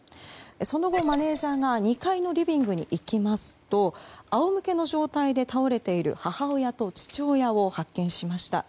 その後、マネジャーが２階のリビングに行きますと仰向けの状態で倒れている母親と父親を発見しました。